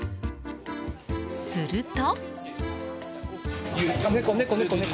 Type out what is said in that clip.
すると。